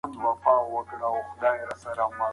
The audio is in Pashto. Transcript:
لومړی ګام واخلئ او مه درېږئ.